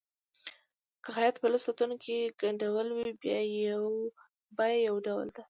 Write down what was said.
که خیاط په لسو ساعتونو کې ګنډلي وي بیه یو ډول ده.